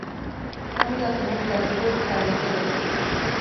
涙と泪ってどう使い分ける？